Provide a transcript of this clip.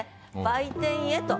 「売店へと」。